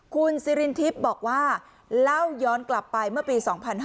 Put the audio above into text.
คุณซิรินทิพย์บอกว่าเล่าย้อนกลับไปเมื่อปี๒๕๕๙